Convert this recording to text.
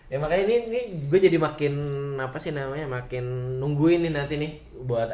ya makanya ini gue jadi makin apa sih namanya makin nungguin ini nanti nih buat